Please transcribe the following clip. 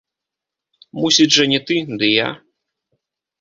Мусіць жа, не ты, ды я!